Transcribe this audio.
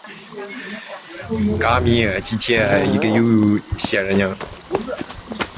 小明今晚应该有空。